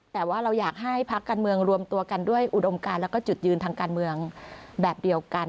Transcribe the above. แต่ว่าเราอยากให้พักการเมืองรวมตัวกันด้วยอุดมการแล้วก็จุดยืนทางการเมืองแบบเดียวกัน